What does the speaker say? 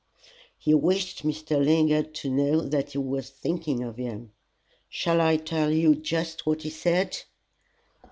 He wished Mr. Lingard to know that he was thinking of him: shall I tell you just what he said?"